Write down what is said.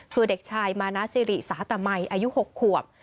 คือเด็กชายมานาซิริสาตมัยอายุ๖ขวบ